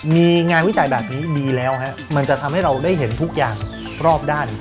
มีงานวิจัยแบบนี้ดีแล้วมันจะทำให้เราได้เห็นทุกอย่างรอบด้าน